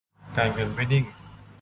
การเงินไม่นิ่ง